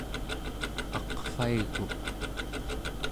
aqvaiguq